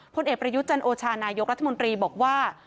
พลเอกประยุทธ์จันโอชานายกรัฐมนตรีบอกว่า